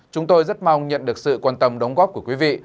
chúng tôi rất mong nhận được sự quan tâm đóng góp của quý vị